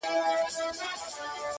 چي په هر يوه هنر کي را ايسار دی;